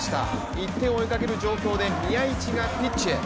１点を追いかける状況で宮市がピッチへ。